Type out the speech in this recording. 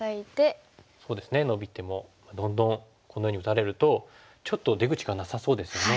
そうですねノビてもどんどんこのように打たれるとちょっと出口がなさそうですよね。